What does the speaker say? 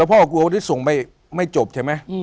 พ่อกลัววันนี้ส่งไปไม่จบใช่ไหม